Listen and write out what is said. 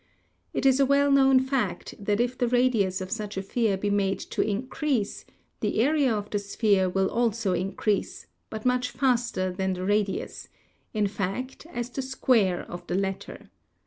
It is a well known fact that if the radius of such a sphere be made to increase, the area of the sphere will also in crease, but much faster than the radius — in fact, as the square of the latter.